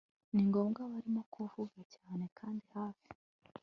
Ningoma barimo kuvuza cyane kandi hafi